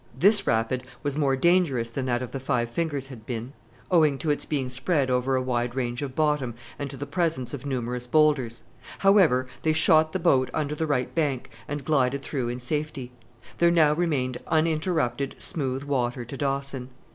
This rapid was more dangerous than that of the Five Fingers had been, owing to its being spread over a wide range of bottom and to the presence of numerous boulders: however, they shot the boat under the right bank and glided through in safety. There now remained uninterrupted, smooth water to Dawson.